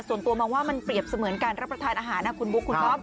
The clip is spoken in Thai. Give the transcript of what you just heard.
ส่วนตัวมันเหมือนการรับประตาศาลอาหารคุณพุทธ